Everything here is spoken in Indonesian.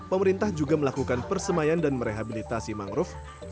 pemerintah juga melakukan persemayan dan merehabilitasi mangrove